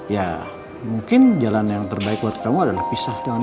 ya mungkin jalan yang terbaik buat kamu adalah pisah jalan